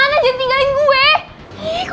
ih kok gue jadi ninggalin lagi sih